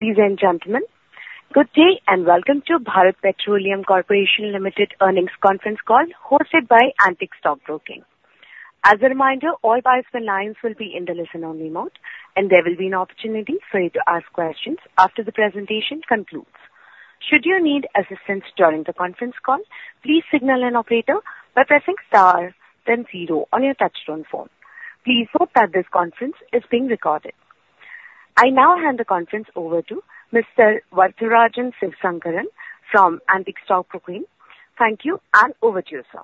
Ladies and gentlemen, good day and welcome to Bharat Petroleum Corporation Limited earnings conference call hosted by Antique Stock Broking. As a reminder, all participant lines will be in the listen-only mode, and there will be an opportunity for you to ask questions after the presentation concludes. Should you need assistance during the conference call, please signal an operator by pressing star, then zero on your touch-tone phone. Please note that this conference is being recorded. I now hand the conference over to Mr. Varatharajan Sivasankaran from Antique Stock Broking. Thank you, and over to you, sir.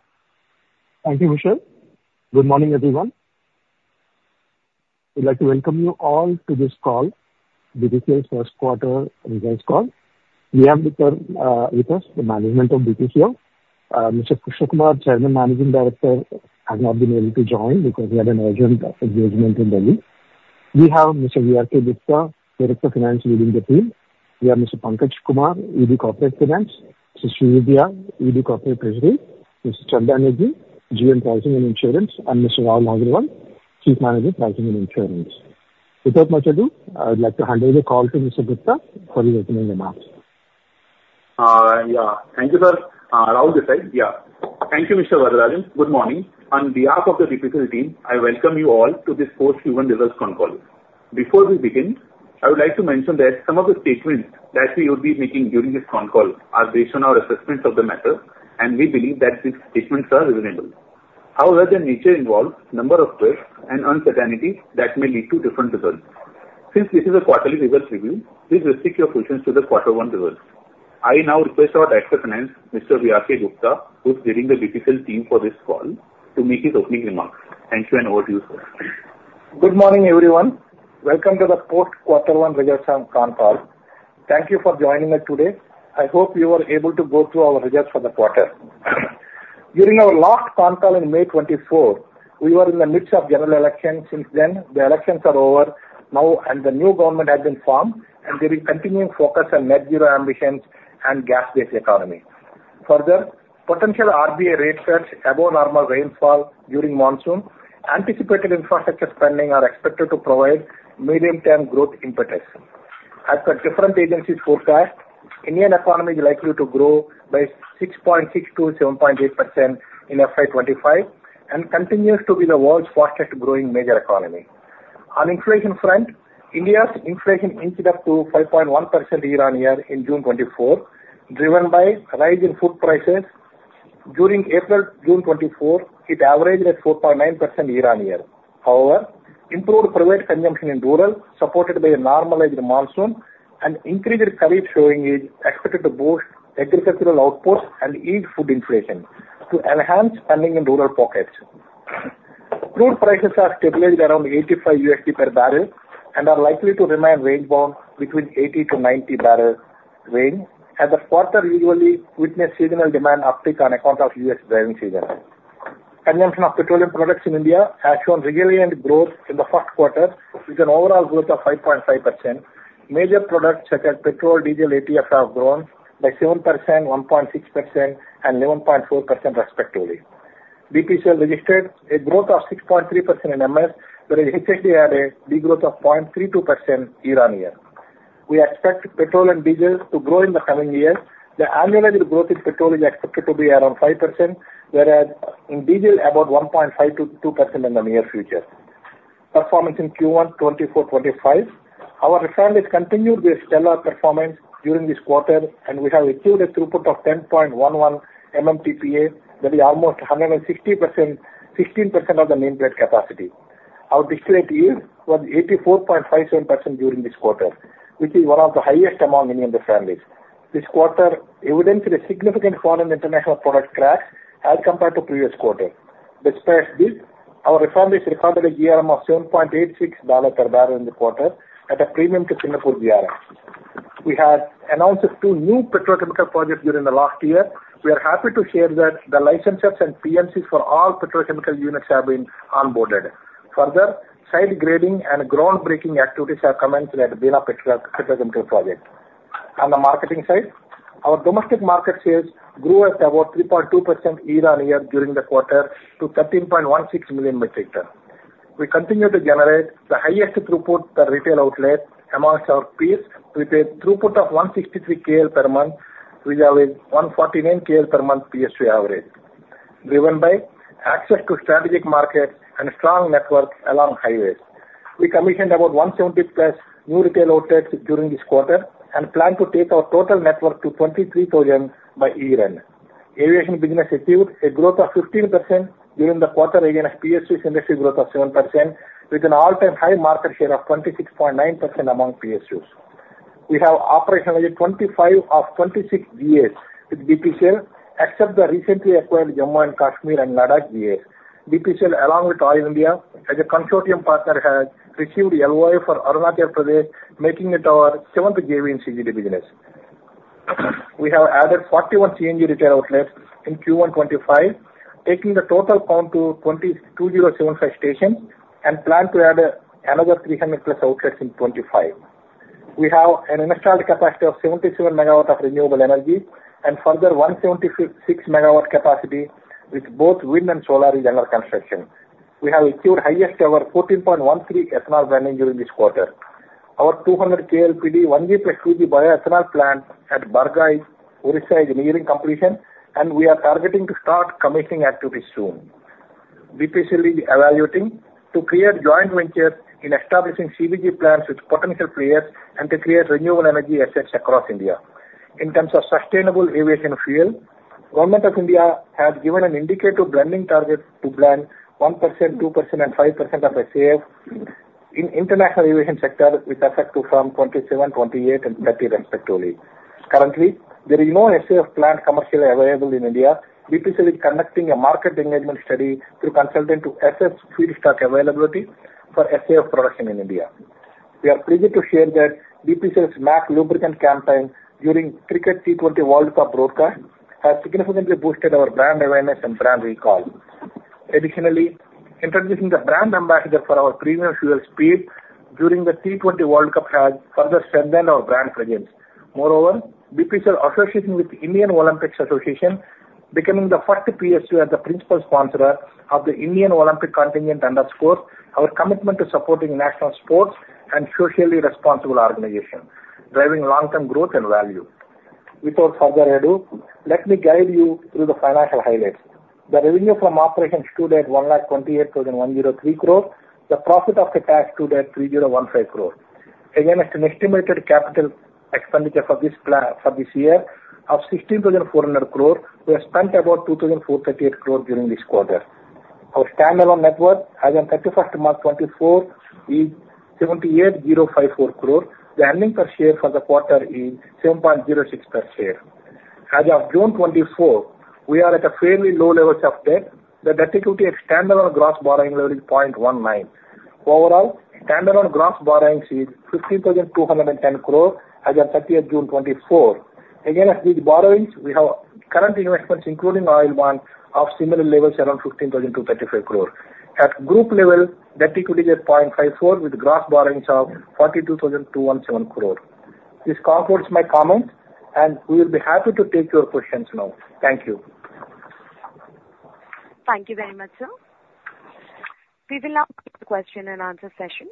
Thank you, Vishal. Good morning, everyone. We'd like to welcome you all to this call, BPCL's first quarter results call. We have with us the management of BPCL. Mr. Krishnakumar, Chairman, Managing Director, has not been able to join because he had an urgent engagement in Delhi. We have Mr. V.R.K. Gupta, Director of Finance, leading the team. We have Mr. Pankaj Kumar, ED Corporate Finance, Srividya ED Corporate Treasury, Mr. Chandan Negi, GM Pricing and Insurance, and Mr. Rahul Agarwal, Chief Manager, Pricing and Insurance. Without much ado, I would like to hand over the call to Mr. Gupta for the opening remarks. Yeah, thank you, sir. Rahul Gupta, yeah. Thank you, Mr. Varatharajan. Good morning. On behalf of the BPCL team, I welcome you all to this post Q1 results conference. Before we begin, I would like to mention that some of the statements that we will be making during this conference are based on our assessments of the matter, and we believe that these statements are reasonable. However, the nature involves a number of risks and uncertainties that may lead to different results. Since this is a quarterly results review, please restrict your questions to the quarter one results. I now request our Director of Finance, Mr. V.R.K. Gupta, who's leading the BPCL team for this call, to make his opening remarks. Thank you and over to you, sir. Good morning, everyone. Welcome to the post-quarter one results conference. Thank you for joining us today. I hope you were able to go through our results for the quarter. During our last conference in May 2024, we were in the midst of general elections. Since then, the elections are over now, and the new government has been formed, and there is continuing focus on net-zero ambitions and gas-based economy. Further, potential RBA rate cuts above normal rainfall during monsoon, anticipated infrastructure spending are expected to provide medium-term growth impetus. As per different agencies forecast, the Indian economy is likely to grow by 6.6%-7.8% in FY 2025 and continues to be the world's fastest-growing major economy. On the inflation front, India's inflation inched up to 5.1% year-on-year in June 2024, driven by a rise in food prices. During April-June 2024, it averaged at 4.9% year-on-year. However, improved private consumption in rural, supported by a normalized monsoon, and increased Kharif sowing is expected to boost agricultural output and ease food inflation to enhance spending in rural pockets. Crude prices are stabilized around $85 per barrel and are likely to remain range-bound between $80-$90 per barrel range, as the quarter usually witnesses seasonal demand uptick on account of U.S. driving season. Consumption of petroleum products in India has shown resilient growth in the first quarter, with an overall growth of 5.5%. Major products such as petrol, diesel, and ATF have grown by 7%, 1.6%, and 11.4%, respectively. BPCL registered a growth of 6.3% in MS, whereas HSD had a growth of 0.32% year-on-year. We expect petrol and diesel to grow in the coming years. The annualized growth in petrol is expected to be around 5%, whereas in diesel, about 1.5%-2% in the near future. Performance in Q1 2024-25. Our refinery has continued with stellar performance during this quarter, and we have achieved a throughput of 10.11 MMTPA, that is almost 160% of the main plant capacity. Our distillate yield was 84.57% during this quarter, which is one of the highest among Indian refineries. This quarter evidenced a significant forex and international product crack as compared to the previous quarter. Despite this, our refinery has recorded a GRM of $7.86 per barrel in the quarter at a premium to Singapore GRM. We have announced two new petrochemical projects during the last year. We are happy to share that the licenses and PMCs for all petrochemical units have been onboarded. Further, site grading and groundbreaking activities have commenced at Bina Petrochemical Project. On the marketing side, our domestic market shares grew at about 3.2% year-on-year during the quarter to 13.16 million metric tons. We continue to generate the highest throughput per retail outlet among our peers. We per day throughput of 163 KL per month, which is 149 KL per month PSU average, driven by access to strategic markets and strong network along highways. We commissioned about 170+ new retail outlets during this quarter and plan to take our total network to 23,000 by year-end. Aviation business achieved a growth of 15% during the quarter against PSUs industry growth of 7%, with an all-time high market share of 26.9% among PSUs. We have operationalized 25 of 26 GAs with BPCL, except the recently acquired Jammu and Kashmir and Ladakh GAs. BPCL, along with Oil India, as a consortium partner, has received LOI for Arunachal Pradesh, making it our seventh JV in CGD business. We have added 41 CNG retail outlets in Q1 2025, taking the total count to 2,275 stations and plan to add another 300+ outlets in Q1 2025. We have an installed capacity of 77 MW of renewable energy and further 176 MW capacity with both wind and solar regenerative construction. We have achieved the highest ever 14.13 ethanol blending during this quarter. Our 200 KLPD 1G+ 2G bioethanol plant at Bargarh, Odisha is nearing completion, and we are targeting to start commissioning activities soon. BPCL is evaluating to create joint ventures in establishing CBG plants with potential players and to create renewable energy assets across India. In terms of sustainable aviation fuel, the Government of India has given an indicative blending target to blend 1%, 2%, and 5% of SAF in the international aviation sector with effect from 2027, 2028, and 2030, respectively. Currently, there is no SAF plant commercially available in India. BPCL is conducting a market engagement study through consulting to assess feedstock availability for SAF production in India. We are pleased to share that BPCL's MAK Lubricants campaign during the Cricket T20 World Cup broadcast has significantly boosted our brand awareness and brand recall. Additionally, introducing the brand ambassador for our premium fuel space during the T20 World Cup has further strengthened our brand presence. Moreover, BPCL's association with the Indian Olympic Association, becoming the first PSU as the principal sponsor of the Indian Olympic contingent, underscores our commitment to supporting national sports and socially responsible organizations, driving long-term growth and value. Without further ado, let me guide you through the financial highlights. The revenue from operations stood at 128,103 crore. The profit after tax stood at 3,015 crore. Again, it's an estimated capital expenditure for this year of 16,400 crore. We have spent about 2,438 crore during this quarter. Our standalone network, as of 31st March 2024, is 78,054 crore. The earnings per share for the quarter is 7.06 per share. As of June 2024, we are at a fairly low level of debt. The debt equity at standalone gross borrowing level is 0.19x. Overall, standalone gross borrowings is 15,210 crore as of 30th June 2024. Again, at these borrowings, we have current investments, including oil bonds, of similar levels, around 15,235 crore. At group level, debt equity is 0.54, with gross borrowings of 42,217 crore. This concludes my comments, and we will be happy to take your questions now. Thank you. Thank you very much, sir. We will now take the question-and-answer session.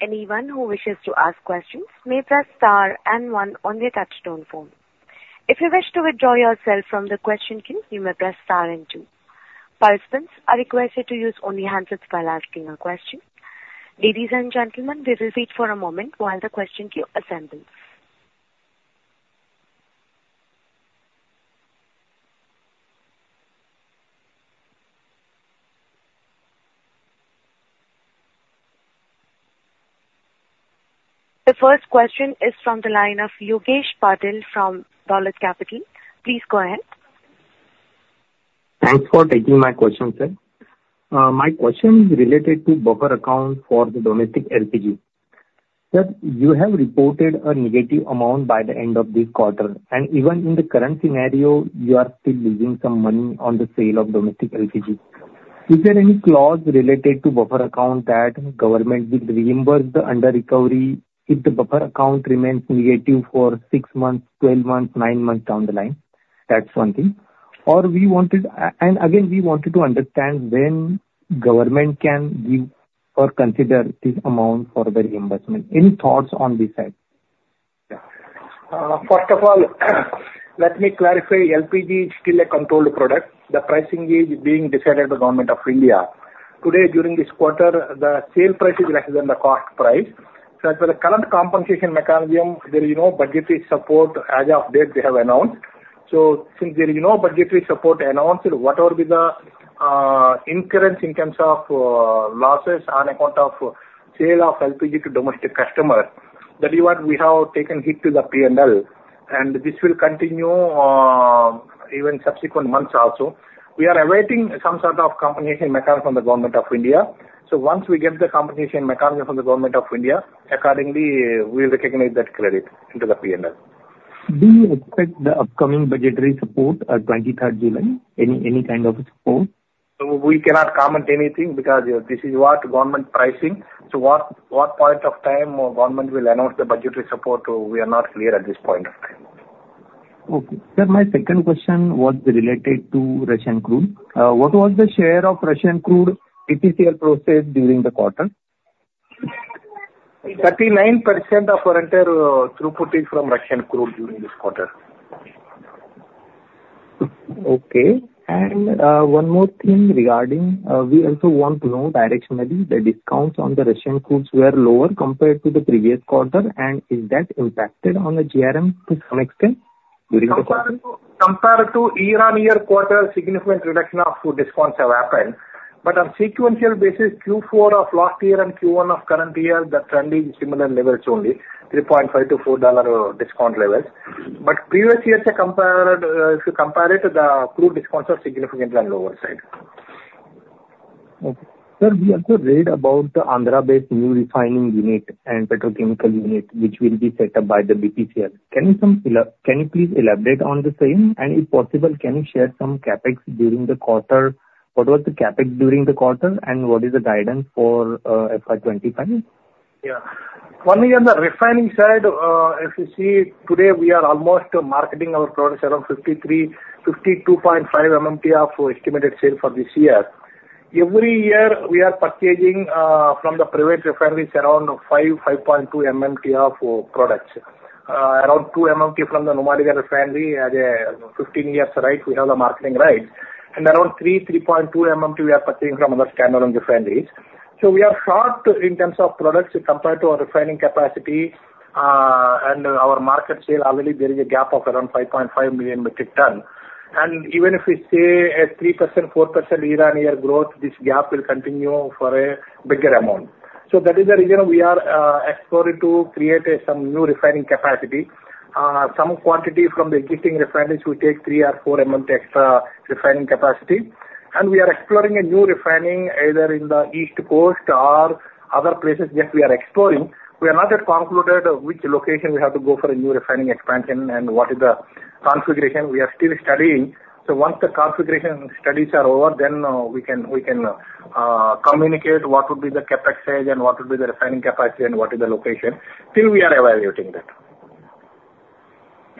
Anyone who wishes to ask questions may press star and one on the touch-tone phone. If you wish to withdraw yourself from the question queue, you may press star and two. Participants are requested to use only handsets while asking a question. Ladies and gentlemen, we will wait for a moment while the question queue assembles. The first question is from the line of Yogesh Patil from Dolat Capital. Please go ahead. Thanks for taking my question, sir. My question is related to buffer accounts for the domestic LPG. Sir, you have reported a negative amount by the end of this quarter, and even in the current scenario, you are still losing some money on the sale of domestic LPG. Is there any clause related to buffer account that government will reimburse the under-recovery if the buffer account remains negative for six months, 12 months, nine months down the line? That's one thing. And again, we wanted to understand when government can give or consider this amount for the reimbursement. Any thoughts on this side? First of all, let me clarify. LPG is still a controlled product. The pricing is being decided by the Government of India. Today, during this quarter, the sale price is less than the cost price. As for the current compensation mechanism, there is no budgetary support as of date they have announced. So since there is no budgetary support announced, whatever be the incurrence in terms of losses on account of sale of LPG to domestic customers, that is what we have taken hit to the P&L, and this will continue even subsequent months also. We are awaiting some sort of compensation mechanism from the Government of India. So once we get the compensation mechanism from the Government of India, accordingly, we recognize that credit into the P&L. Do you expect the upcoming budgetary support at 23rd July? Any kind of support? We cannot comment anything because this is what government pricing. So, what point of time government will announce the budgetary support, we are not clear at this point of time. Okay. Sir, my second question was related to Russian crude. What was the share of Russian crude BPCL processed during the quarter? 39% of our entire throughput is from Russian crude during this quarter. Okay. And one more thing regarding, we also want to know directionally, the discounts on the Russian crudes were lower compared to the previous quarter, and is that impacted on the GRM to some extent during the quarter? Compared to year-over-year quarter, significant reduction of discounts have happened. But on a sequential basis, Q4 of last year and Q1 of current year, the trend is similar levels only, $3.5-$4 discount levels. But previous years, if you compare it, the crude discounts are significantly on the lower side. Okay. Sir, we also read about the Andhra-based new refining unit and petrochemical unit, which will be set up by the BPCL. Can you please elaborate on the same? And if possible, can you share some CapEx during the quarter? What was the CapEx during the quarter, and what is the guidance for FY 2025? Yeah. One thing on the refining side, as you see, today we are almost marketing our products around 52.5 MMT estimated sale for this year. Every year, we are purchasing from the private refineries around 5.2 MMT products, around two MMT from the Numaligarh refinery at a 15-year tie-up. We have the marketing rights. And around three, 3.2 MMT, we are purchasing from other standalone refineries. So we are short in terms of products compared to our refining capacity and our market sale. Already, there is a gap of around 5.5 million metric tons. And even if we say a 3%-4% year-on-year growth, this gap will continue for a bigger amount. So that is the reason we are exploring to create some new refining capacity. Some quantity from the existing refineries, we take three or four MMT extra refining capacity. We are exploring a new refining either in the East Coast or other places that we are exploring. We are not yet concluded which location we have to go for a new refining expansion and what is the configuration. We are still studying. Once the configuration studies are over, then we can communicate what would be the CapEx size and what would be the refining capacity and what is the location. Still, we are evaluating that.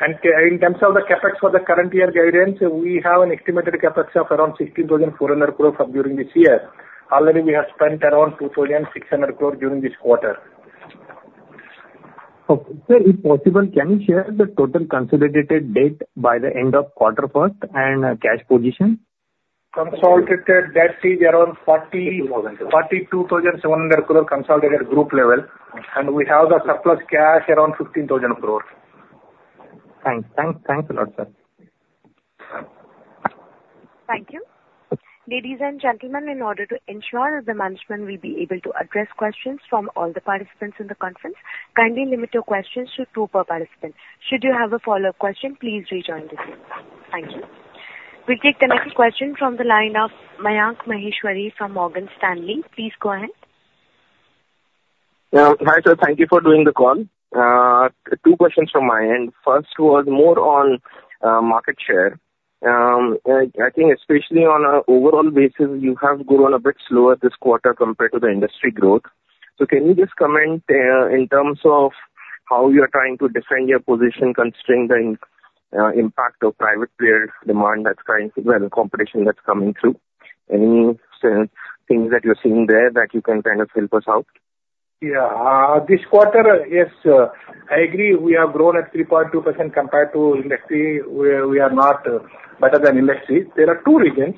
In terms of the CapEx for the current year guidance, we have an estimated CapEx of around 16,400 crore during this year. Already, we have spent around 2,600 crore during this quarter. Okay. Sir, if possible, can you share the total consolidated debt by the end of the first quarter and cash position? Consolidated debt is around 42,700 crore consolidated group level. We have the surplus cash around 15,000 crore. Thanks. Thanks. Thanks a lot, sir. Thank you. Ladies and gentlemen, in order to ensure the management will be able to address questions from all the participants in the conference, kindly limit your questions to two per participant. Should you have a follow-up question, please rejoin the scene. Thank you. We'll take the next question from the line of Mayank Maheshwari from Morgan Stanley. Please go ahead. Yeah. Hi, sir. Thank you for doing the call. Two questions from my end. First was more on market share. I think, especially on an overall basis, you have grown a bit slower this quarter compared to the industry growth. So can you just comment in terms of how you are trying to defend your position, considering the impact of private player demand that's coming through, well, competition that's coming through? Any things that you're seeing there that you can kind of help us out? Yeah. This quarter, yes, I agree. We have grown at 3.2% compared to industry. We are not better than industry. There are two reasons.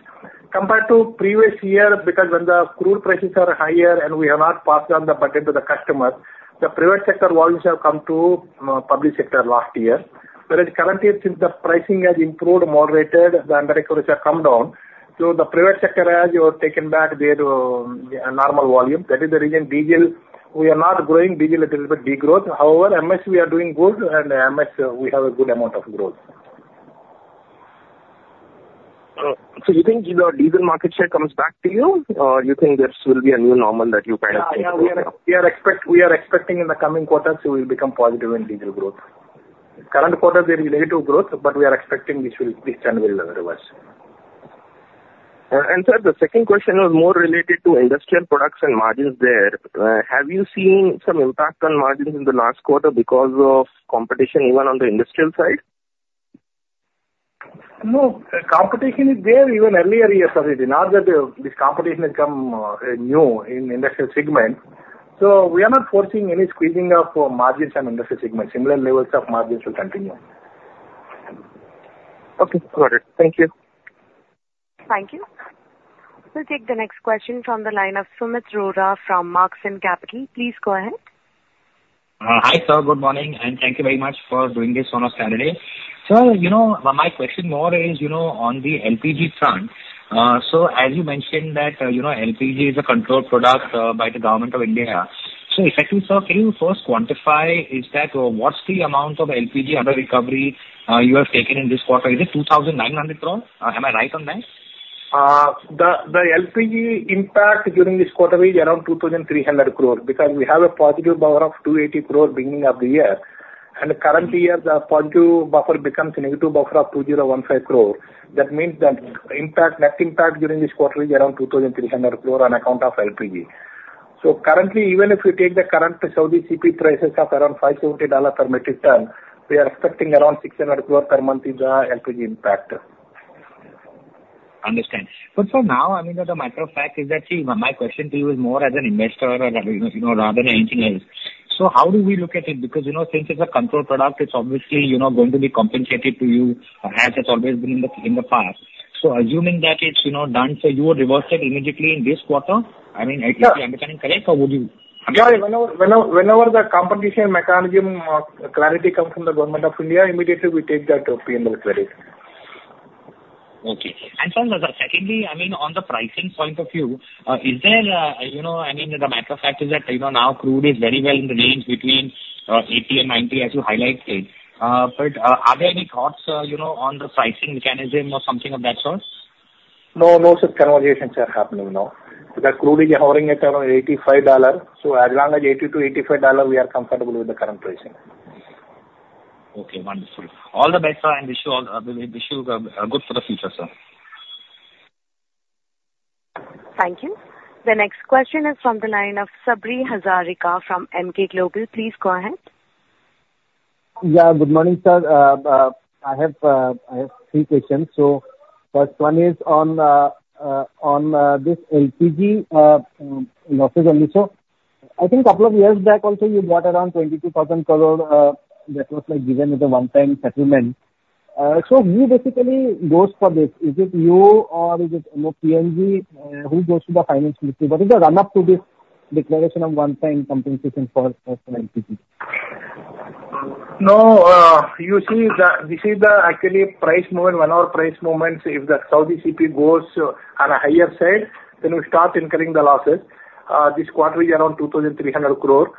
Compared to previous year, because when the crude prices are higher and we have not passed on the budget to the customers, the private sector volumes have come to public sector last year. Whereas currently, since the pricing has improved, moderated, the under-recovery has come down. So the private sector has taken back their normal volume. That is the reason. Diesel, we are not growing. Diesel is a little bit degrowth. However, MS, we are doing good, and MS, we have a good amount of growth. So you think your diesel market share comes back to you, or you think there will be a new normal that you kind of take? Yeah. We are expecting in the coming quarters, it will become positive in diesel growth. Current quarter, there is negative growth, but we are expecting this will reverse. Sir, the second question was more related to industrial products and margins there. Have you seen some impact on margins in the last quarter because of competition, even on the industrial side? No. Competition is there even earlier years. Now that this competition has come new in the industrial segment. So we are not forcing any squeezing of margins on the industrial segment. Similar levels of margins will continue. Okay. Got it. Thank you. Thank you. We'll take the next question from the line of Sumeet Rohra from Smartsun Capital. Please go ahead. Hi, sir. Good morning. Thank you very much for doing this on a Saturday. Sir, my question more is on the LPG front. As you mentioned that LPG is a controlled product by the Government of India. Effectively, sir, can you first quantify what's the amount of LPG under-recovery you have taken in this quarter? Is it 2,900 crore? Am I right on that? The LPG impact during this quarter is around 2,300 crore because we have a positive buffer of 280 crore beginning of the year. Currently, as the positive buffer becomes negative buffer of 2,015 crore, that means that net impact during this quarter is around 2,300 crore on account of LPG. Currently, even if we take the current Saudi CP prices of around $570 per metric ton, we are expecting around 600 crore per month is the LPG impact. Understood. But sir, now, I mean, the micro fact is that, see, my question to you is more as an investor rather than anything else. So how do we look at it? Because since it's a controlled product, it's obviously going to be compensated to you as it's always been in the past. So assuming that it's done, so you would reverse it immediately in this quarter? I mean, if I'm becoming correct, or would you? Yeah. Whenever the competition mechanism clarity comes from the Government of India, immediately we take that P&L credit. Okay. And sir, secondly, I mean, on the pricing point of view, is there, I mean, the macro fact is that now crude is very well in the range between $80 and $90, as you highlighted. But are there any thoughts on the pricing mechanism or something of that sort? No, no such conversations are happening now. The crude is hovering at around $85. So as long as $80-$85, we are comfortable with the current pricing. Okay. Wonderful. All the best, sir, and wish you good for the future, sir. Thank you. The next question is from the line of Sabri Hazarika from Emkay Global. Please go ahead. Yeah. Good morning, sir. I have three questions. So first one is on this LPG losses only. So I think a couple of years back, also, you bought around 22,000 crore that was given with a one-time settlement. So who basically goes for this? Is it you, or is it PNG who goes to the finance ministry? What is the run-up to this declaration of one-time compensation for LPG? No. You see, we see the actually price movement, one-hour price movement, if the Saudi CP goes on a higher side, then we start incurring the losses. This quarter is around 2,300 crores.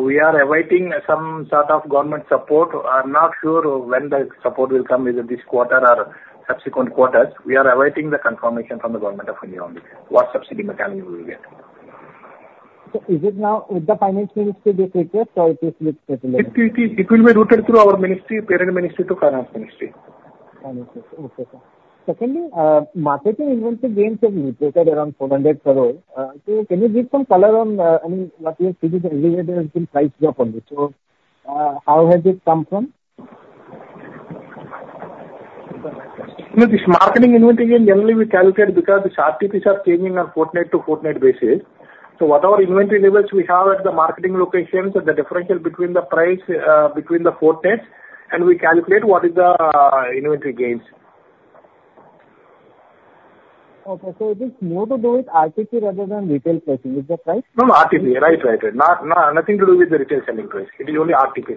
We are awaiting some sort of government support. I'm not sure when the support will come either this quarter or subsequent quarters. We are awaiting the confirmation from the Government of India on what subsidy mechanism we will get. Is it now with the finance ministry this week or is it with? It will be routed through our ministry, parent ministry to finance ministry. Finance Ministry. Okay. Secondly, marketing inventory gains have amounted to around 400 crore. So can you give some color on, I mean, what you see this elevated inventory gain on this? So how has it come from? This marketing inventory gain, generally, we calculate because the RTPs are changing on fortnight to fortnight basis. So whatever inventory levels we have at the marketing locations, the differential between the price between the fortnights, and we calculate what is the inventory gains. Okay. So it is more to do with RTP rather than retail pricing. Is that right? No, no. RTP. Right, right, right. Nothing to do with the retail selling price. It is only RTP.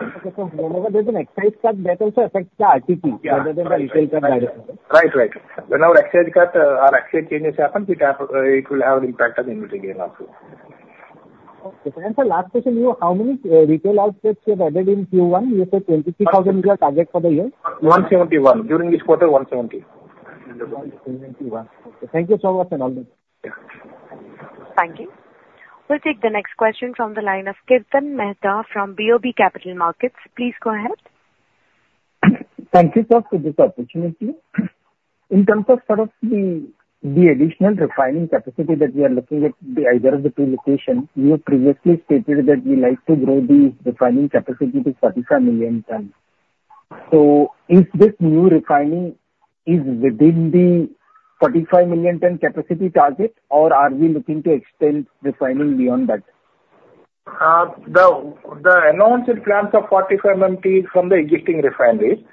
Okay. Whenever there's an excise cut, that also affects the RTP rather than the retail cut direct. Right, right. Whenever excise cut or excise changes happen, it will have an impact on the inventory gain also. Okay. And sir, last question to you. How many retail outlets you have added in Q1? You said 22,000 is your target for the year. 171. During this quarter, 170. Okay. Thank you so much and all the best. Yeah. Thank you. We'll take the next question from the line of Kirtan Mehta from BOB Capital Markets. Please go ahead. Thank you, sir, for this opportunity. In terms of sort of the additional refining capacity that we are looking at either of the two locations, you previously stated that you like to grow the refining capacity to 45 million tons. So is this new refining within the 45 million ton capacity target, or are we looking to extend refining beyond that? The announced plans of 45 MMT from the existing refineries.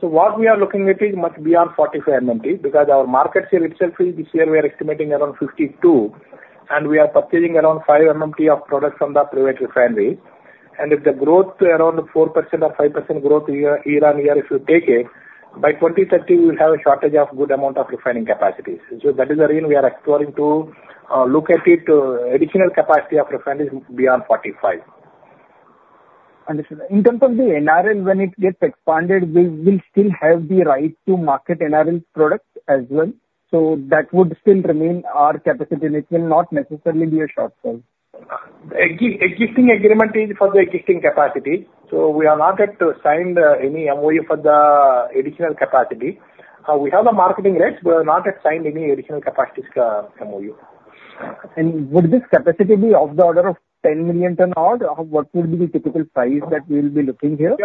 So what we are looking at is much beyond 45 MMT because our market share itself is this year we are estimating around 52, and we are purchasing around five MMT of products from the private refineries. And if the growth is around 4% or 5% growth year-on-year, if you take it, by 2030, we will have a shortage of a good amount of refining capacities. So that is the reason we are exploring to look at additional capacity of refineries beyond 45. Understood. In terms of the NRL, when it gets expanded, we will still have the right to market NRL products as well. So that would still remain our capacity, and it will not necessarily be a shortfall. Existing agreement is for the existing capacity. So we are not yet signed any MOU for the additional capacity. We have a marketing rights, but we have not signed any additional capacity MOU. Would this capacity be of the order of 10 million ton or what would be the typical price that we will be looking here?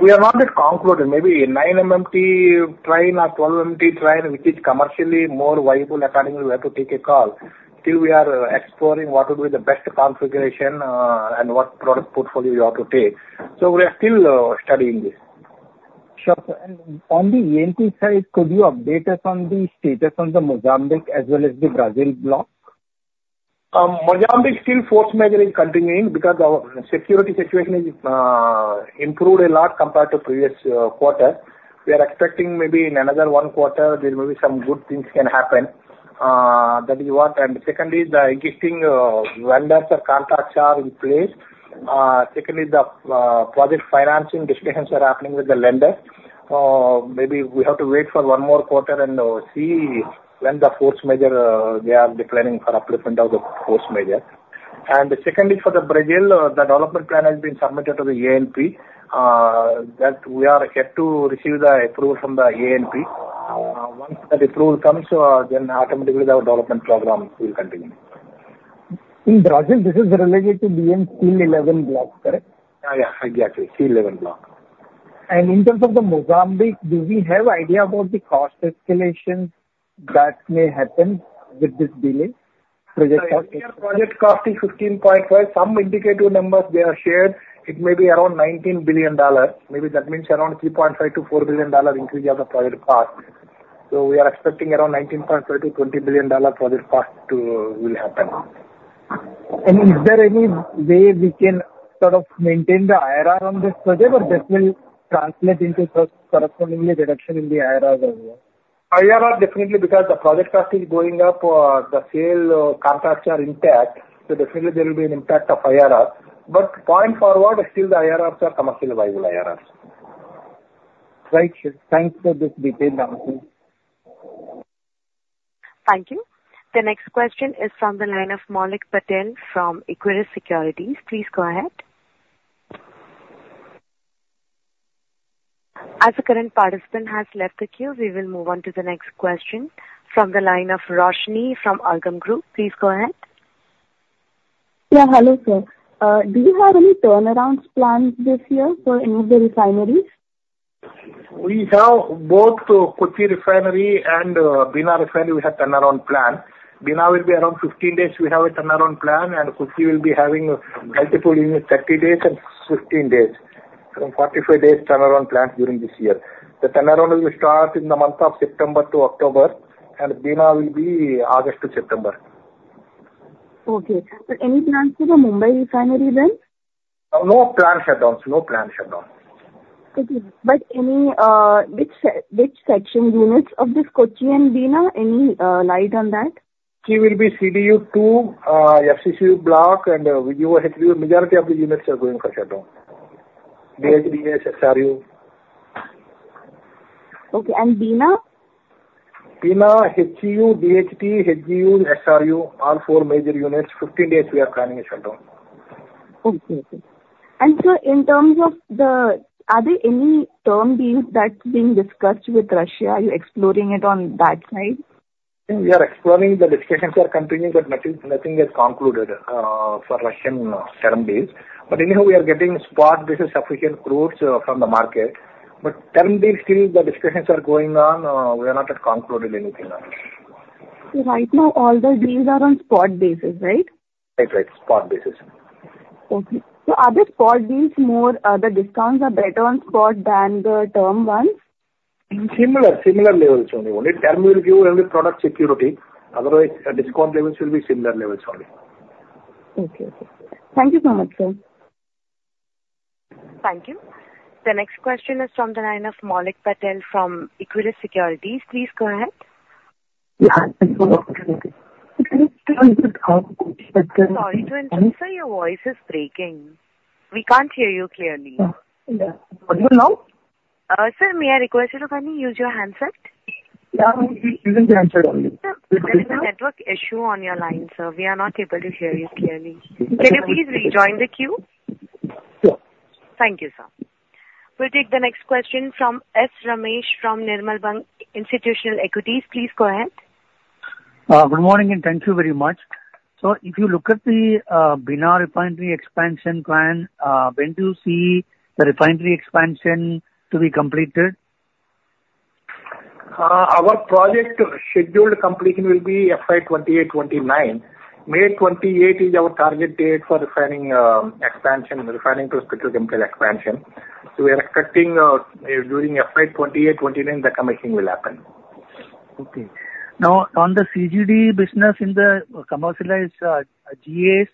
We are not yet concluded. Maybe nine MMT trying or 12 MMT trying, which is commercially more viable accordingly where to take a call. Still, we are exploring what would be the best configuration and what product portfolio you have to take. So we are still studying this. Sure. On the E&P side, could you update us on the status on the Mozambique as well as the Brazil block? Mozambique still force majeure is continuing because our security situation has improved a lot compared to previous quarter. We are expecting maybe in another one quarter, there may be some good things can happen. That is what. And secondly, the existing vendors or contracts are in place. Secondly, the project financing discussions are happening with the lenders. Maybe we have to wait for one more quarter and see when the force majeure they are declaring for appointment of the force majeure. And secondly, for the Brazil, the development plan has been submitted to the ANP that we are yet to receive the approval from the ANP. Once that approval comes, then automatically the development program will continue. In Brazil, this is related to BM-SEAL-11 block, correct? Yeah. Exactly. SEAL-11 block. In terms of the Mozambique, do we have idea about the cost escalation that may happen with this delay? Project cost is $15.5 billion. Some indicative numbers they are shared. It may be around $19 billion. Maybe that means around $3.5-$4 billion increase of the project cost. So we are expecting around $19.5-$20 billion project cost will happen. Is there any way we can sort of maintain the IRR on this project, or that will translate into correspondingly reduction in the IRR as well? IRR definitely because the project cost is going up, the sale contracts are intact. So definitely, there will be an impact of IRR. But going forward, still the IRRs are commercially viable IRRs. Right. Thanks for this detailed answer. Thank you. The next question is from the line of Maulik Patel from Equirus Securities. Please go ahead. As the current participant has left the queue, we will move on to the next question from the line of Roshni from Arqaam Group. Please go ahead. Yeah. Hello, sir. Do you have any turnaround plans this year for any of the refineries? We have both Kochi refinery and Bina refinery. We have turnaround plan. Bina will be around 15 days. We have a turnaround plan, and Kochi will be having multiple units 30 days and 15 days. So 45 days turnaround plan during this year. The turnaround will start in the month of September to October, and Bina will be August to September. Okay. But any plans for the Mumbai refinery then? No plan shutdowns. No plan shutdowns. Okay. But which section units of this Kochi and Bina? Any light on that? Key will be CDU2, FCCU block, and VGU, HGU. Majority of the units are going for shutdown. DHDS, SRU. Okay. And Bina? Bina, HCU, DHT, HGU, SRU. All four major units. 15 days, we are planning a shutdown. Okay. Sir, in terms of are there any term deals that's being discussed with Russia? Are you exploring it on that side? We are exploring. The discussions are continuing, but nothing is concluded for Russian term deals. But anyhow, we are getting spot basis sufficient crores from the market. But term deals, still, the discussions are going on. We are not concluded anything on it. Right now, all the deals are on spot basis, right? Right, right. Spot basis. Okay. So are the spot deals more the discounts are better on spot than the term ones? Similar. Similar levels only. Only term will give only product security. Otherwise, discount levels will be similar levels only. Okay. Okay. Thank you so much, sir. Thank you. The next question is from the line of Maulik Patel from Equirus Securities. Please go ahead. Yeah. Sorry to interrupt, sir. Your voice is breaking. We can't hear you clearly. Yeah. What do you want now? Sir, may I request you to kindly use your handset? Yeah. Please use the handset only. Sir, there is a network issue on your line, sir. We are not able to hear you clearly. Can you please rejoin the queue? Sure. Thank you, sir. We'll take the next question from S. Ramesh from Nirmal Bang Institutional Equities. Please go ahead. Good morning and thank you very much. If you look at the Bina refinery expansion plan, when do you see the refinery expansion to be completed? Our project scheduled completion will be FY 2028-2029. May 2028 is our target date for refining expansion, refining to specialty employee expansion. We are expecting during FY 2028-2029, the commissioning will happen. Okay. Now, on the CGD business in the commercialized GAs,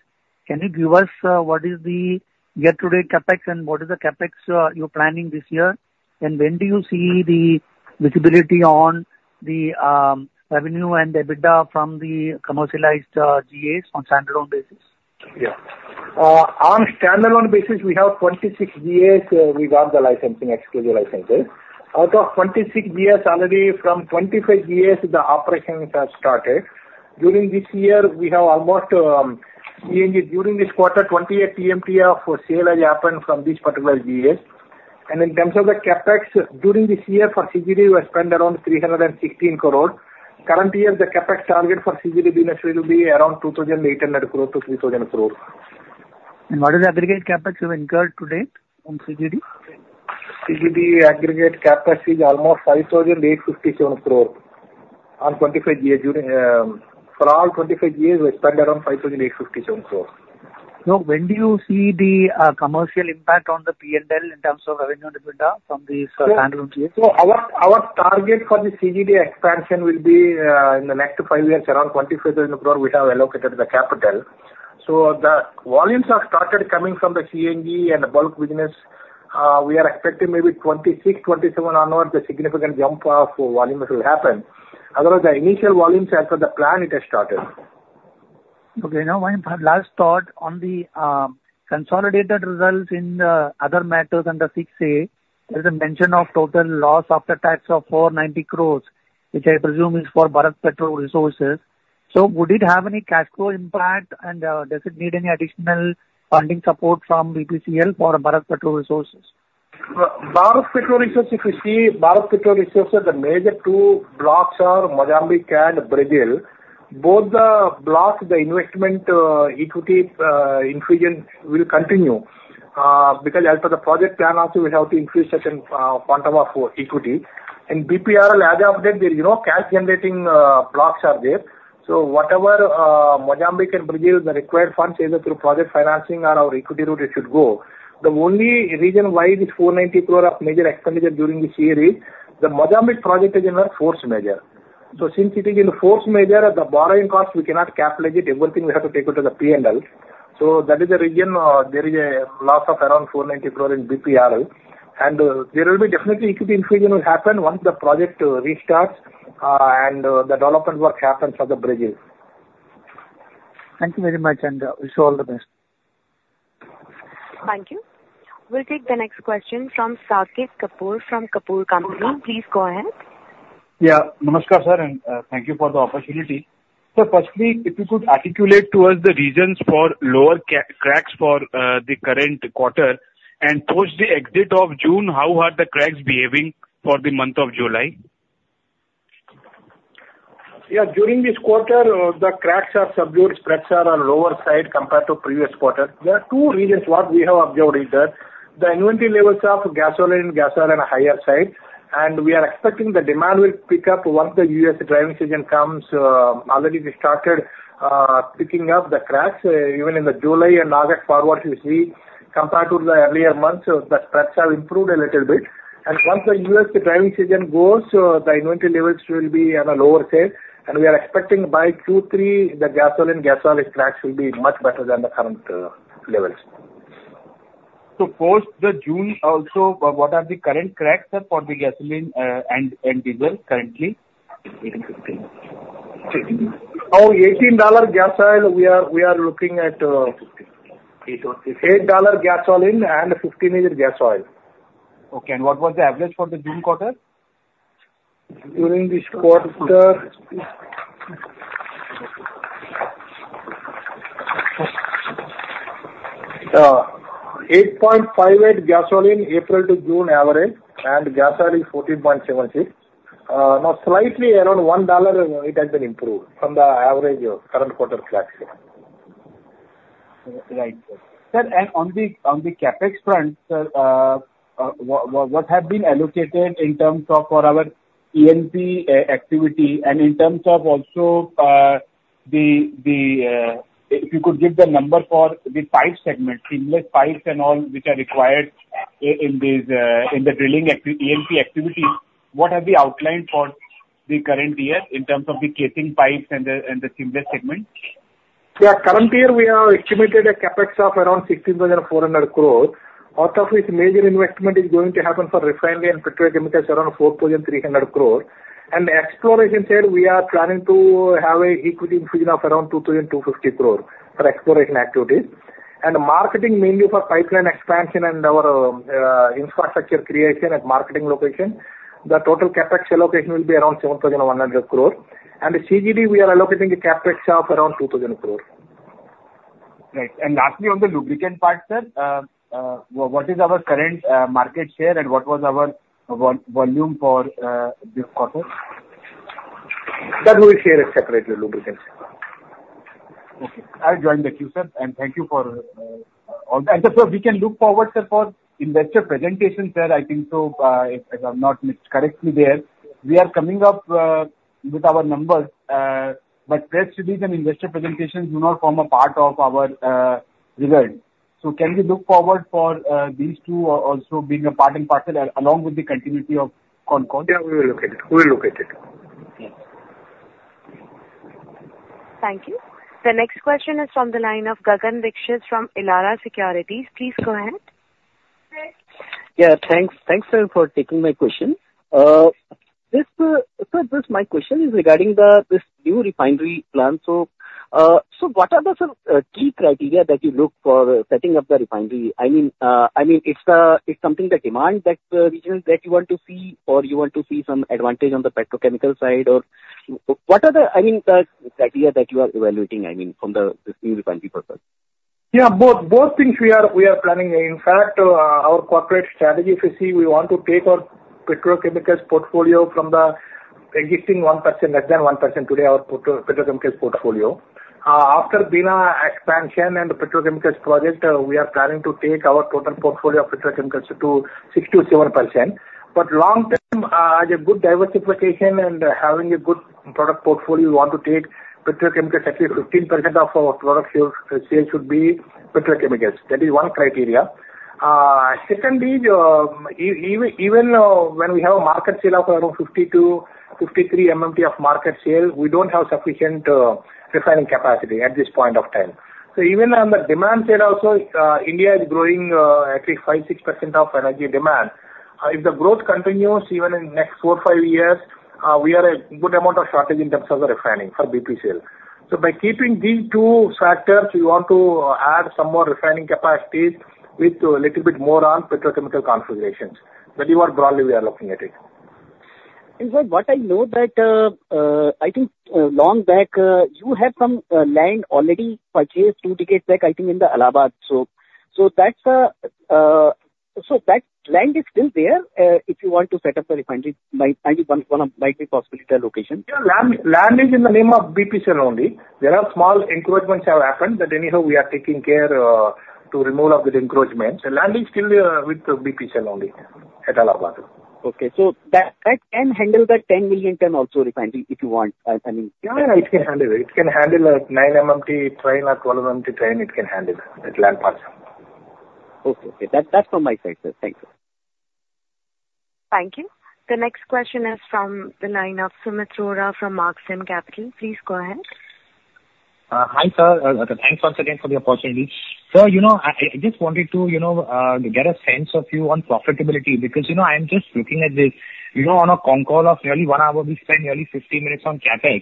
can you give us what is the year-to-date CapEx and what is the CapEx you're planning this year? And when do you see the visibility on the revenue and EBITDA from the commercialized GAs on standalone basis? Yeah. On standalone basis, we have 26 GAs without the licensing, exclusive licenses. Out of 26 GAs already, from 25 GAs, the operations have started. During this year, we have almost during this quarter, 28 TMT of sale has happened from these particular GAs. In terms of the CapEx, during this year for CGD, we have spent around 316 crore. Current year, the CapEx target for CGD business will be around 2,800 crore-3,000 crore. What is the aggregate CapEx you've incurred to date on CGD? CGD aggregate CapEx is almost 5,857 crores on 25 GAs. For all 25 GAs, we spent around 5,857 crores. When do you see the commercial impact on the P&L in terms of revenue and EBITDA from these standalone GAs? Our target for the CGD expansion will be in the next five years, around 25,000 crore we have allocated the capital. The volumes have started coming from the CNG and bulk business. We are expecting maybe 2026, 2027 onwards, the significant jump of volumes will happen. Otherwise, the initial volumes as per the plan, it has started. Okay. Now, my last thought on the consolidated results in the other matters under 6A, there is a mention of total loss after tax of 490 crore, which I presume is for Bharat Petroleum Resources. So would it have any cash flow impact, and does it need any additional funding support from BPCL for Bharat Petroleum Resources? Bharat Petroleum Resources, if you see, Bharat Petroleum Resources, the major two blocks are Mozambique and Brazil. Both the blocks, the investment equity infusion will continue because as per the project plan, also we have to increase certain quantum of equity. And BPRL as of date, there are no cash-generating blocks there. So whatever Mozambique and Brazil, the required funds either through project financing or our equity route, it should go. The only reason why this 490 crore of major expenditure during this year is the Mozambique project is in our force majeure. So since it is in the force majeure, the borrowing costs, we cannot capitalize it. Everything we have to take it to the P&L. So that is the reason there is a loss of around 490 crore in BPRL. There will be definitely equity infusion will happen once the project restarts and the development work happens for the Brazil. Thank you very much, and wish you all the best. Thank you. We'll take the next question from Saket Kapoor from Kapoor and Company. Please go ahead. Yeah. Namaskar, sir, and thank you for the opportunity. Sir, firstly, if you could articulate to us the reasons for lower cracks for the current quarter and post the exit of June, how are the cracks behaving for the month of July? Yeah. During this quarter, the cracks are subdued. Spreads are on lower side compared to previous quarter. There are two reasons. What we have observed is that the inventory levels of gas oil and gasoline are on a higher side. And we are expecting the demand will pick up once the US driving season comes. Already, we started picking up the cracks even in the July and August forward, you see. Compared to the earlier months, the spreads have improved a little bit. And once the U.S. driving season goes, the inventory levels will be on a lower side. And we are expecting by Q3, the gas oil and gasoline cracks will be much better than the current levels. Post the June, also, what are the current cracks, sir, for the gasoline and diesel currently? $18.50. Now, $18 gas oil, we are looking at $8 gasoline and $15 is in gas oil. Okay. What was the average for the June quarter? During this quarter, $8.58 gas oil in April to June average, and gas oil is $14.76. Now, slightly around $1, it has been improved from the average current quarter cracks. Right. Sir, and on the CapEx front, sir, what has been allocated in terms of our ENP activity and in terms of also the if you could give the number for the pipe segment, seamless pipes and all which are required in the drilling ENP activity, what have we outlined for the current year in terms of the casing pipes and the seamless segment? Yeah. Current year, we have estimated a CapEx of around 16,400 crore. Out of which, major investment is going to happen for refinery and petrochemicals around 4,300 crore. Exploration side, we are planning to have an equity infusion of around 2,250 crore for exploration activities. Marketing mainly for pipeline expansion and our infrastructure creation at marketing location. The total CapEx allocation will be around 7,100 crore. CGD, we are allocating a CapEx of around 2,000 crore. Right. Lastly, on the lubricant part, sir, what is our current market share and what was our volume for this quarter? That will share it separately, lubricants. Okay. I'll join the queue, sir. And thank you for all the and sir, sir, we can look forward, sir, for investor presentations, sir. I think so, if I've not missed correctly there. We are coming up with our numbers, but press release and investor presentations do not form a part of our event. So can we look forward for these two also being a part and parcel along with the continuity of conference? Yeah. We will look at it. We will look at it. Thank you. The next question is from the line of Gagan Dixit from Elara Securities. Please go ahead. Yeah. Thanks, sir, for taking my question. Sir, my question is regarding this new refinery plan. So what are the key criteria that you look for setting up the refinery? I mean, it's something that demand that you want to see or you want to see some advantage on the petrochemical side, or what are the, I mean, the criteria that you are evaluating, I mean, from this new refinery purpose? Yeah. Both things we are planning. In fact, our corporate strategy, if you see, we want to take our petrochemicals portfolio from the existing 1%, less than 1% today, our petrochemicals portfolio. After Bina expansion and the petrochemicals project, we are planning to take our total portfolio of petrochemicals to 6%-7%. But long-term, as a good diversification and having a good product portfolio, we want to take petrochemicals at least 15% of our product sales should be petrochemicals. That is one criteria. Secondly, even when we have a market sale of around 52-53 MMT of market sale, we don't have sufficient refining capacity at this point of time. So even on the demand side, also, India is growing at least 5%-6% of energy demand. If the growth continues even in the next four to five years, we are a good amount of shortage in terms of the refining for BPCL. So by keeping these two factors, we want to add some more refining capacities with a little bit more on petrochemical configurations. That is what broadly we are looking at it. In fact, what I know that I think long back, you had some land already purchased two decades back, I think, in Allahabad. So that land is still there if you want to set up the refinery, might be possible at the location. Yeah. Land is in the name of BPCL only. There are small encroachments that have happened. But anyhow, we are taking care to remove the encroachments. Land is still with BPCL only at Allahabad. Okay. So that can handle the 10 million ton also refinery if you want. I mean. Yeah. It can handle it. It can handle a nine MMT train or 12 MMT train. It can handle it. Inland ports. Okay. Okay. That's from my side, sir. Thank you. Thank you. The next question is from the line of Sumeet Rohra from Smartsun Capital. Please go ahead. Hi, sir. Thanks once again for the opportunity. Sir, I just wanted to get a sense of you on profitability because I'm just looking at this. On a phone call of nearly 1 hour, we spend nearly 50 minutes on CapEx,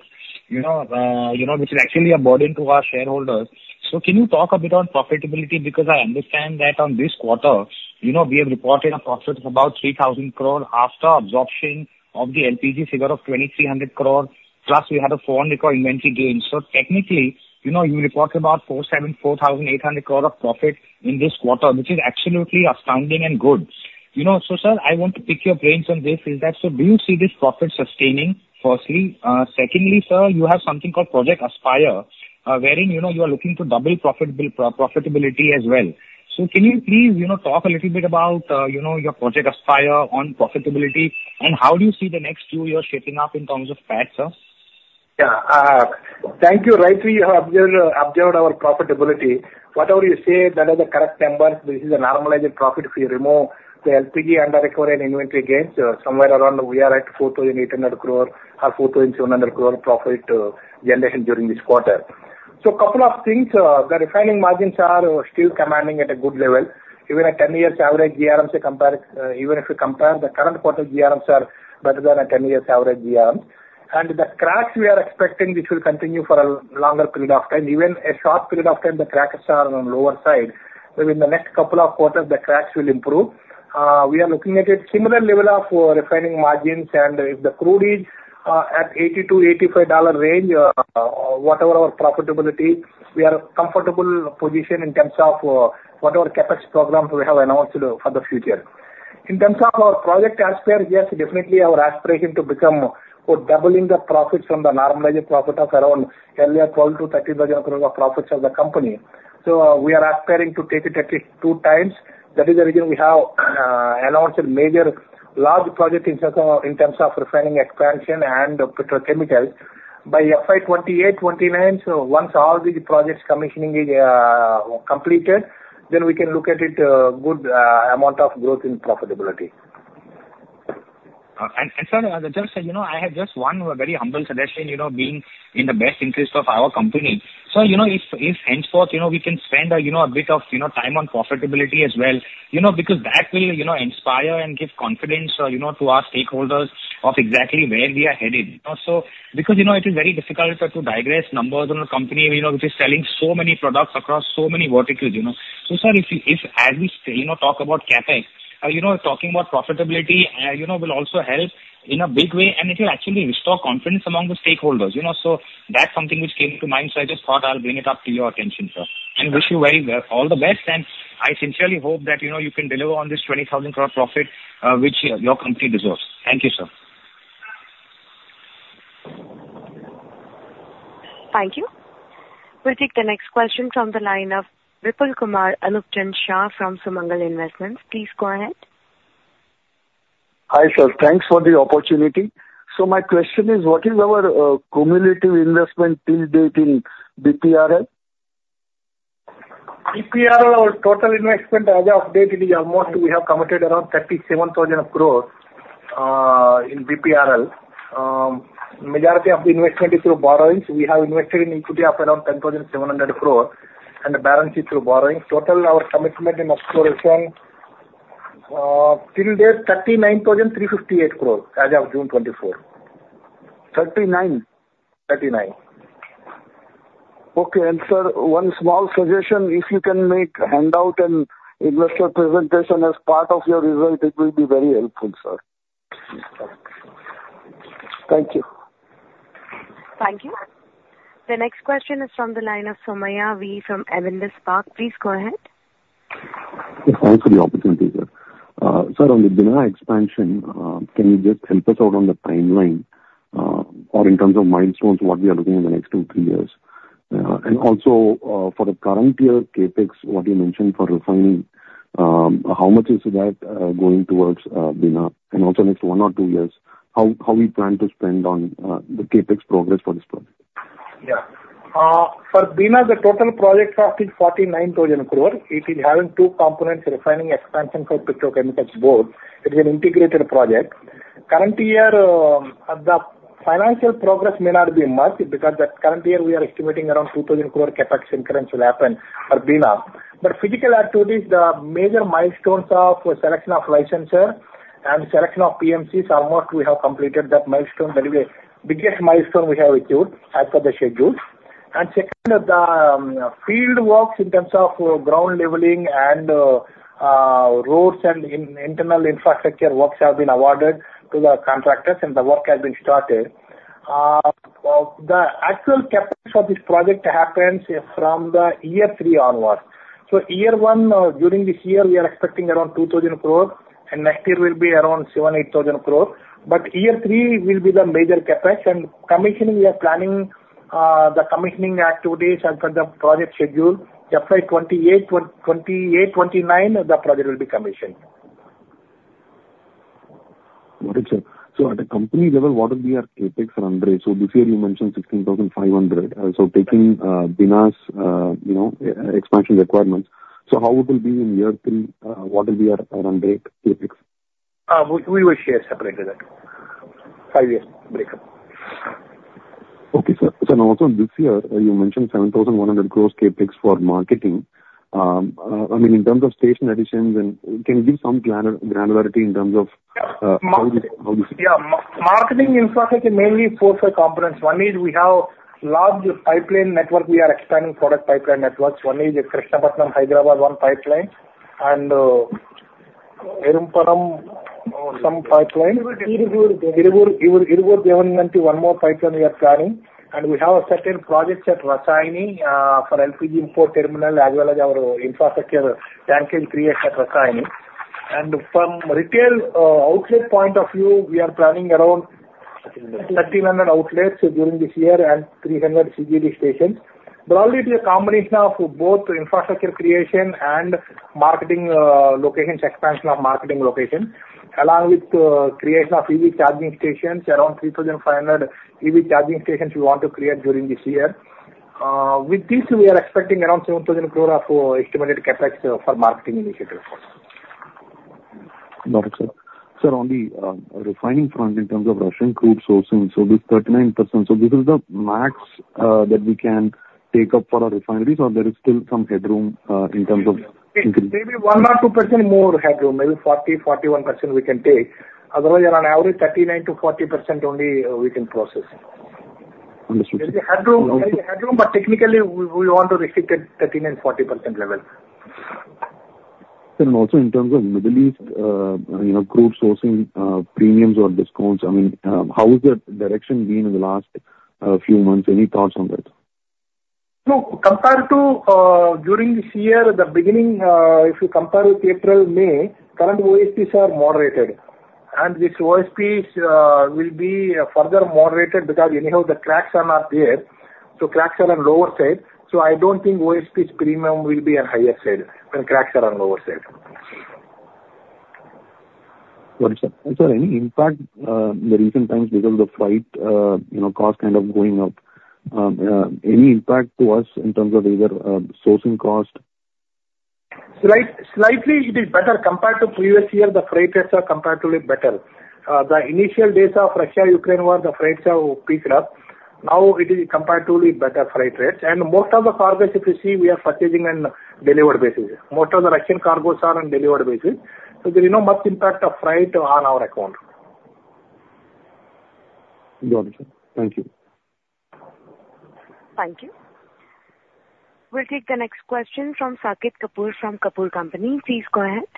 which is actually a burden to our shareholders. So can you talk a bit on profitability? Because I understand that on this quarter, we have reported a profit of about 3,000 crore after absorption of the LPG figure of 2,300 crore, plus we had a 400 crore inventory gain. So technically, you reported about 4,800 crore of profit in this quarter, which is absolutely astounding and good. So, sir, I want to pick your brains on this. Is that so do you see this profit sustaining? Firstly. Secondly, sir, you have something called Project Aspire, wherein you are looking to double profitability as well. So can you please talk a little bit about your Project Aspire on profitability and how do you see the next few years shaping up in terms of PAT, sir? Yeah. Thank you. Rightly you have observed our profitability. Whatever you say, that is the correct number. This is a normalized profit if you remove the LPG under-recovery inventory gains, somewhere around we are at 4,800 crores or 4,700 crores profit generation during this quarter. So a couple of things. The refining margins are still commanding at a good level. Even a 10-year average GRMs compare, even if you compare the current quarter GRMs, they are better than a 10-year average GRMs. And the cracks we are expecting, which will continue for a longer period of time, even a short period of time, the cracks are on the lower side. Within the next couple of quarters, the cracks will improve. We are looking at a similar level of refining margins, and if the crude is at $80-$85 range, whatever our profitability, we are comfortable position in terms of whatever CapEx programs we have announced for the future. In terms of our project aspect, yes, definitely our aspiration to become for doubling the profits from the normalized profit of around earlier 12,000-30,000 crore of profits of the company. So we are aspiring to take it at least two times. That is the reason we have announced a major large project in terms of refining expansion and petrochemicals. By FY 2028, 2029, so once all these projects' commissioning is completed, then we can look at a good amount of growth in profitability. Sir, just I have just one very humble suggestion, being in the best interest of our company. Sir, if henceforth we can spend a bit of time on profitability as well, because that will inspire and give confidence to our stakeholders of exactly where we are headed. Because it is very difficult to disaggregate numbers on a company which is selling so many products across so many verticals. So, sir, as we talk about CapEx, talking about profitability will also help in a big way, and it will actually restore confidence among the stakeholders. So that's something which came to mind, so I just thought I'll bring it up to your attention, sir. And wish you very well. All the best, and I sincerely hope that you can deliver on this 20,000 crore profit which your company deserves. Thank you, sir. Thank you. We'll take the next question from the line of Vipul Shah from Sumangal Investments. Please go ahead. Hi, sir. Thanks for the opportunity. So my question is, what is our cumulative investment till date in BPRL? BPRL, our total investment as of date, it is almost we have committed around 37,000 crore in BPRL. Majority of the investment is through borrowings. We have invested in equity of around 10,700 crore and the balance is through borrowings. Total our commitment in exploration till date is 39,358 crore as of June 24, 2024. 39? 39. Okay. Sir, one small suggestion. If you can make a handout and investor presentation as part of your result, it will be very helpful, sir. Thank you. Thank you. The next question is from the line of Somaiya V. from Avendus Spark. Please go ahead. Thanks for the opportunity, sir. Sir, on the Bina expansion, can you just help us out on the timeline or in terms of milestones, what we are looking at in the next two, three years? And also, for the current year, CapEx, what you mentioned for refining, how much is that going towards Bina? And also, next one or two years, how we plan to spend on the CapEx progress for this project? Yeah. For Bina, the total project cost is 49,000 crore. It is having two components: refining expansion for petrochemicals both. It is an integrated project. Current year, the financial progress may not be much because that current year we are estimating around 2,000 crore CapEx increment will happen for Bina. But physical activities, the major milestones of selection of licensor and selection of PMCs, almost we have completed that milestone. That is the biggest milestone we have achieved as per the schedule. And second, the field works in terms of ground leveling and roads and internal infrastructure works have been awarded to the contractors, and the work has been started. The actual CapEx for this project happens from the year three onward. So year one, during this year, we are expecting around 2,000 crore, and next year will be around 7,000 crore-8,000 crore. But year three will be the major CapEx, and commissioning, we are planning the commissioning activities as per the project schedule. FY 2028, 2029, the project will be commissioned. Got it, sir. At a company level, what are the CapEx run rates? This year you mentioned 16,500. Taking Bina's expansion requirements, so how it will be in year three, what will be the run rate, CapEx? We will share separately that five-year breakup. Okay, sir. So now, also, this year, you mentioned 7,100 crore CapEx for marketing. I mean, in terms of station additions, can you give some granularity in terms of how this is? Yeah. Marketing infrastructure is mainly four or five components. One is we have large pipeline network. We are expanding product pipeline networks. One is Krishnapatnam, Hyderabad, one pipeline, and Irimpanam some pipeline. Irugur Devangonthi one more pipeline we are planning. And we have a certain project at Rasayani for LPG import terminal as well as our infrastructure tank creation at Rasayani. And from retail outlet point of view, we are planning around 1,300 outlets during this year and 300 CGD stations. Broadly, it is a combination of both infrastructure creation and marketing locations, expansion of marketing locations, along with creation of EV charging stations, around 3,500 EV charging stations we want to create during this year. With this, we are expecting around 7,000 crore of estimated CapEx for marketing initiative. Got it, sir. Sir, on the refining front, in terms of Russian crude sourcing, so this 39%, so this is the max that we can take up for our refineries, or there is still some headroom in terms of increase? Maybe 1% or 2% more headroom, maybe 40%, 41% we can take. Otherwise, around average 39%-40% only we can process. Understood. There is a headroom, but technically, we want to restrict at 39%-40% level. Sir, and also, in terms of Middle East crude sourcing premiums or discounts, I mean, how has the direction been in the last few months? Any thoughts on that? No. Compared to during this year, the beginning, if you compare with April, May, current OSPs are moderated. This OSPs will be further moderated because anyhow, the cracks are not there. Cracks are on lower side. I don't think OSPs premium will be on higher side when cracks are on lower side. Got it, sir. And, sir, any impact in the recent times because of the freight cost kind of going up? Any impact to us in terms of either sourcing cost? Slightly, it is better. Compared to previous year, the freight rates are comparatively better. The initial days of Russia, Ukraine war, the freight have picked up. Now it is comparatively better freight rates. And most of the cargoes, if you see, we are purchasing on delivered basis. Most of the Russian cargoes are on delivered basis. So there is no much impact of freight on our account. Got it, sir. Thank you. Thank you. We'll take the next question from Saket Kapoor from Kapoor & Co. Please go ahead.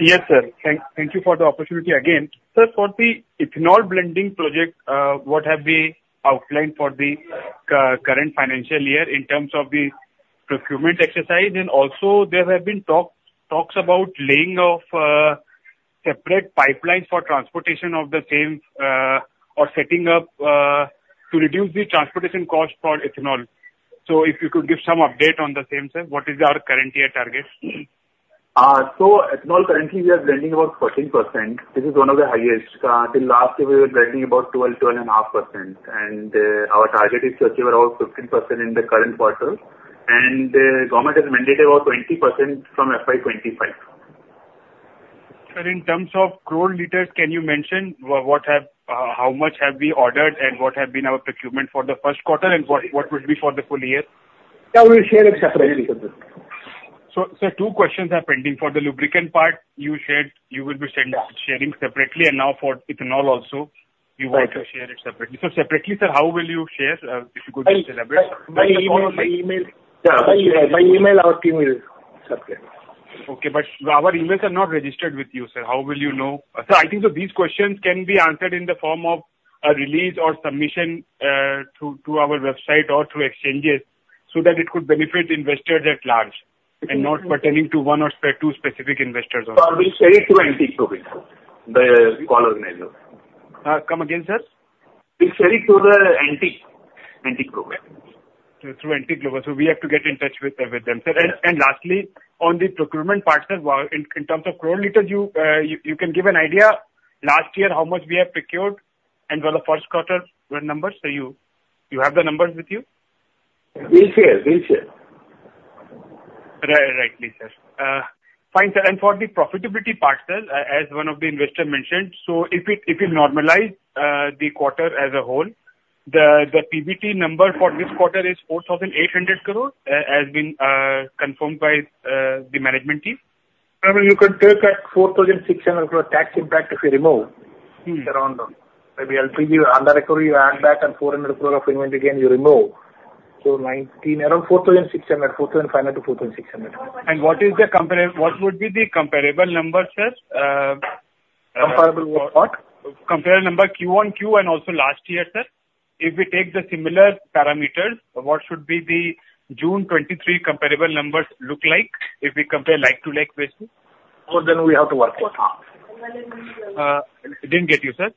Yes, sir. Thank you for the opportunity again. Sir, for the ethanol blending project, what have we outlined for the current financial year in terms of the procurement exercise? And also, there have been talks about laying of separate pipelines for transportation of the same or setting up to reduce the transportation cost for ethanol. So if you could give some update on the same, sir, what is our current year target? Ethanol currently, we are blending about 14%. This is one of the highest. Until last year, we were blending about 12%, 12.5%. Our target is to achieve around 15% in the current quarter. The government has mandated about 20% from FY 2025. Sir, in terms of crore liters, can you mention how much have we ordered and what have been our procurement for the first quarter and what will be for the full year? Yeah, we'll share it separately. Sir, two questions are pending. For the lubricant part, you said you will be sharing separately. Now for ethanol also, you want to share it separately. Separately, sir, how will you share if you could just elaborate? My email. Yeah, my email outing will separate. Okay. But our emails are not registered with you, sir. How will you know? Sir, I think these questions can be answered in the form of a release or submission to our website or through exchanges so that it could benefit investors at large and not pertaining to one or two specific investors only. We'll share it to Antique Group, the call organizer. Come again, sir? We'll share it to the Antique Group. Through Antique Group. So we have to get in touch with them, sir. Lastly, on the procurement part, sir, in terms of crore liters, you can give an idea last year how much we have procured and for the first quarter numbers? So you have the numbers with you? We'll share. We'll share. Right, right, sir. Fine. For the profitability part, sir, as one of the investors mentioned, so if you normalize the quarter as a whole, the PBT number for this quarter is 4,800 crore as has been confirmed by the management team. I mean, you can take 4,600 crore tax impact if you remove. Maybe LPG under-recovery, you add back at 400 crore of inventory gain, you remove. So around 4,600, 4,500 crore-4,600 crore. What is the comparable? What would be the comparable number, sir? Comparable what? Compare numbers Q1, Q1, and also last year, sir. If we take the similar parameters, what should be the June 2023 comparable numbers look like if we compare like-to-like basis? Then we have to work out. Didn't get you, sir?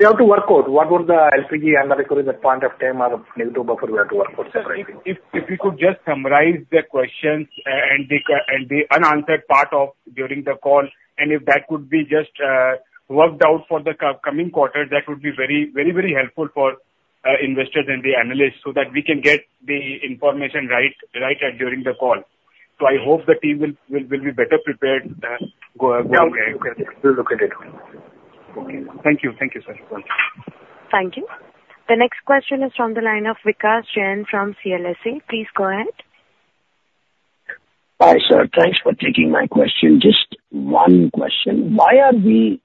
We have to work out what was the LPG under-recovery at that point of time or negative buffer. We have to work out separately. If we could just summarize the questions and the unanswered part during the call, and if that could be just worked out for the coming quarter, that would be very, very, very helpful for investors and the analysts so that we can get the information right during the call. So I hope the team will be better prepared going ahead. Yeah, we'll look at it. Okay. Thank you. Thank you, sir. Thank you. The next question is from the line of Vikas Jain from CLSA. Please go ahead. Hi, sir. Thanks for taking my question. Just one question. Why are we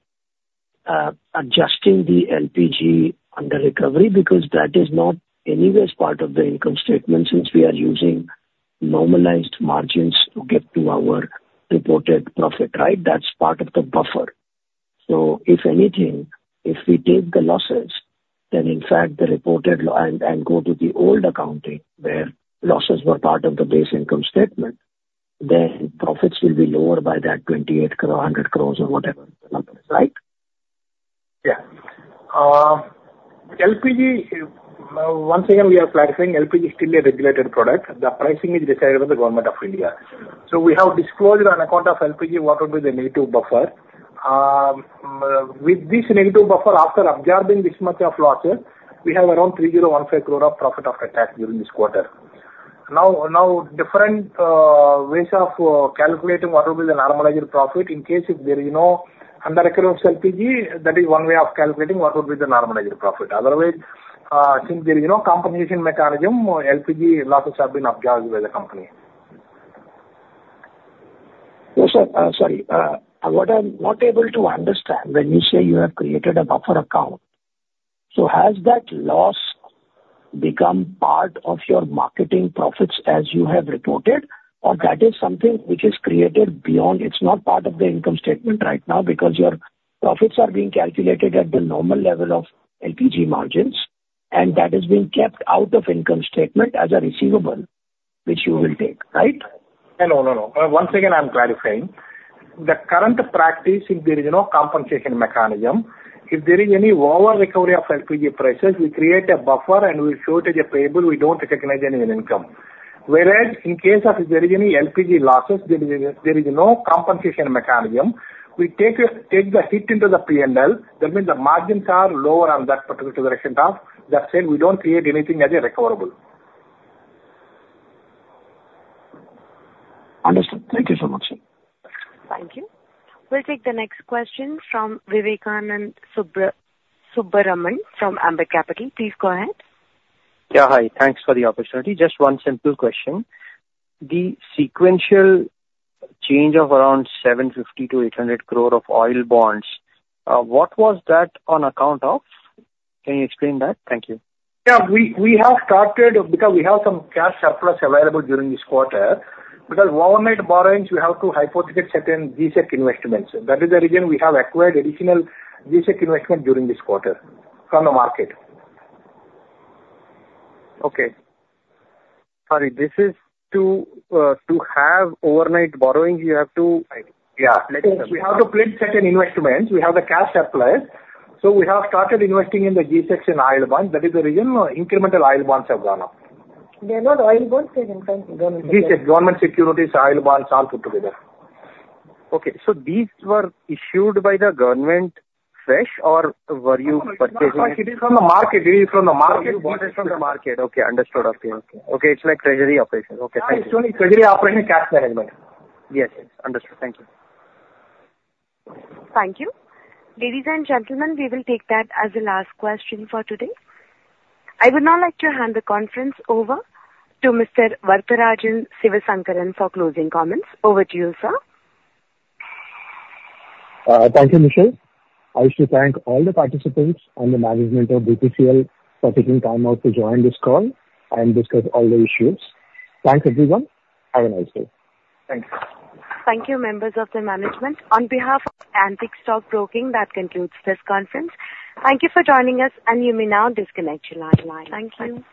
adjusting the LPG under-recovery? Because that is not anyway part of the income statement since we are using normalized margins to get to our reported profit, right? That's part of the buffer. So if anything, if we take the losses, then in fact, the reported, and go to the old accounting where losses were part of the base income statement, then profits will be lower by that 28,100 crore or whatever the number is, right? Yeah. LPG, once again, we are clarifying, LPG is still a regulated product. The pricing is decided by the government of India. So we have disclosed on account of LPG what would be the negative buffer. With this negative buffer, after absorbing this much of losses, we have around 3,015 crore of profit after tax during this quarter. Now, different ways of calculating what would be the normalized profit in case if there is no under-recovery LPG, that is one way of calculating what would be the normalized profit. Otherwise, since there is no compensation mechanism, LPG losses have been absorbed by the company. No, sir. Sorry. What I'm not able to understand, when you say you have created a Buffer Account, so has that loss become part of your marketing profits as you have reported, or that is something which is created beyond? It's not part of the income statement right now because your profits are being calculated at the normal level of LPG margins, and that is being kept out of income statement as a receivable which you will take, right? No, no, no. Once again, I'm clarifying. The current practice, if there is no compensation mechanism, if there is any over-recovery of LPG prices, we create a buffer and we show it as a payable, we don't recognize any income. Whereas in case of if there is any LPG losses, there is no compensation mechanism, we take the hit into the P&L. That means the margins are lower on that particular direction of that said, we don't create anything as a recoverable. Understood. Thank you so much, sir. Thank you. We'll take the next question from Vivekanand Subbaraman from Ambit Capital. Please go ahead. Yeah. Hi. Thanks for the opportunity. Just one simple question. The sequential change of around 750 crore-800 crore of Oil Bonds, what was that on account of? Can you explain that? Thank you. Yeah. We have started because we have some cash surplus available during this quarter. Because government borrowings, we have to hypothecate certain G-Sec investments. That is the reason we have acquired additional G-Sec investment during this quarter from the market. Okay. Sorry. This is to have overnight borrowing, you have to. Yeah. We have to place certain investments. We have the cash surplus. So we have started investing in the G-Secs and Oil Bonds. That is the reason incremental Oil Bonds have gone up. They're not Oil Bonds. They're government securities. Government securities, Oil Bonds, all put together. Okay. So these were issued by the government fresh, or were you purchasing? It is from the market. It is from the market. It is from the market. Okay. Understood. Okay. Okay. It's like treasury operations. Okay. Thank you. It's only treasury operation cash management. Yes. Understood. Thank you. Thank you. Ladies and gentlemen, we will take that as the last question for today. I would now like to hand the conference over to Mr. Varatharajan Sivasankaran for closing comments. Over to you, sir. Thank you, Nishesh. I wish to thank all the participants and the management of BPCL for taking time out to join this call and discuss all the issues. Thanks, everyone. Have a nice day. Thank you. Thank you, members of the management. On behalf of Antique Stock Broking, that concludes this conference. Thank you for joining us, and you may now disconnect your line. Thank you.